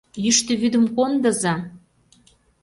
Йӱштӧ вӱдым кондыза!